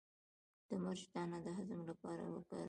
د مرچ دانه د هضم لپاره وکاروئ